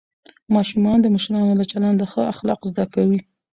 ماشومان د مشرانو له چلنده ښه اخلاق زده کوي